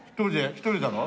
１人だろ？